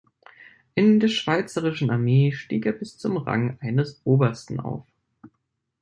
In der schweizerischen Armee stieg er bis zum Rang eines Obersten auf.